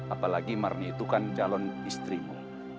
apalagi marni itu kan calon istrimu